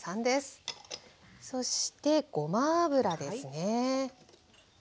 そしてごま油ですね。